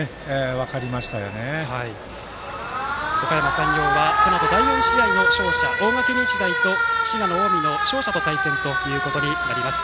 おかやま山陽はこのあと第４試合の勝者大垣日大と滋賀の近江の勝者と対戦ということになります。